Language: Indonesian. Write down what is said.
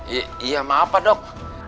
iya maaf pak dok